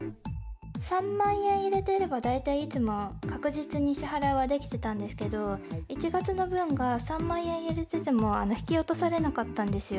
３万円入れてれば、大体いつも、確実に支払いはできてたんですけど、１月の分が３万円入れてても引き落とされなかったんですよ。